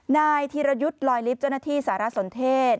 นายธีรยุทธ์ลอยลิฟต์เจ้าหน้าที่สารสนเทศ